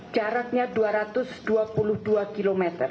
jaraknya dua ratus dua puluh dua km